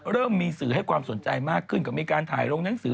เริ่มมีสื่อให้ความสนใจมากขึ้นก็มีการถ่ายลงหนังสือ